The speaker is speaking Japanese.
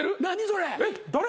それ。